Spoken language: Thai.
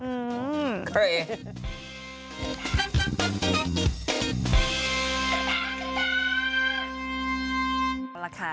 ครับ